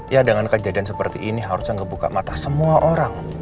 ya dengan kejadian seperti ini harusnya ngebuka mata semua orang